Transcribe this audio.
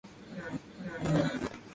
Como por ejemplo la Santa Compaña.